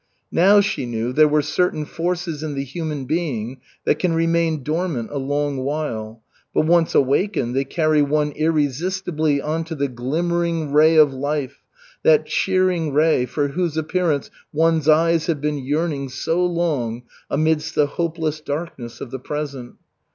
Now, she knew, there were certain forces in the human being that can remain dormant a long while, but once awakened, they carry one irresistibly on to the glimmering ray of life, that cheering ray for whose appearance one's eyes have been yearning so long amidst the hopeless darkness of the present.